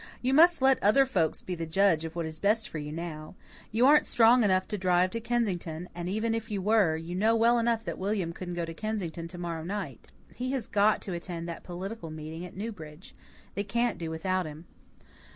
"You must let other folks be the judge of what is best for you now. You aren't strong enough to drive to Kensington, and, even if you were, you know well enough that William couldn't go to Kensington to morrow night. He has got to attend that political meeting at Newbridge. They can't do without him."